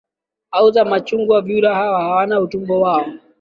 au za machungwa Vyura hawa hawana utumbo wao